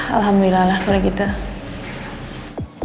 alhamdulillah lah boleh gitu